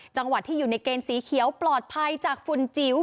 จังหวัดที่อยู่ในเกณฑ์สีเขียวปลอดภัยจากฝุ่นจิ๋ว